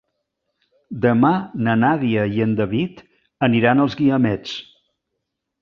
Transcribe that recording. Demà na Nàdia i en David aniran als Guiamets.